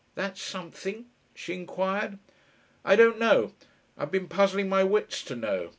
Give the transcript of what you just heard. "That something?" she inquired. "I don't know. I've been puzzling my wits to know.